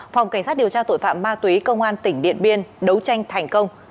phòng cảnh sát điều tra tội phạm ma túy công an tỉnh điện biên đấu tranh thành công